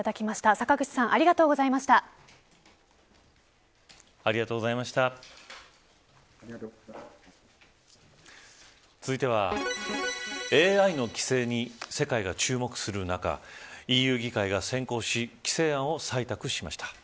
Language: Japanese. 坂口さん続いてはＡＩの規制に世界が注目する中ＥＵ議会が先行し規制案を採択しました。